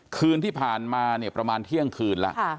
คืนที่ผ่านมาเนี่ยประมาณเที่ยงคืนแล้ว